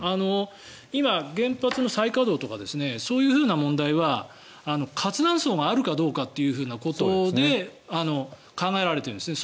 今、原発の再稼働とかそういう問題は活断層があるかどうかということで考えられているんですね。